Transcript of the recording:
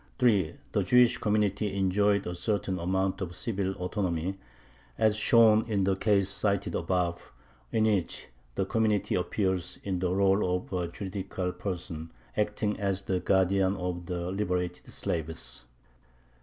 3. The Jewish community enjoyed a certain amount of civil autonomy, as shown in the case cited above, in which the community appears in the rôle of a juridical person, acting as the guardian of the liberated slaves.